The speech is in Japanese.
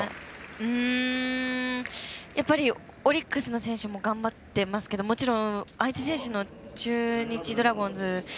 やっぱりオリックスの選手も頑張ってますけどもちろん相手選手の中日ドラゴンズ。